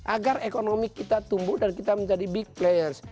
agar ekonomi kita tumbuh dan kita menjadi big players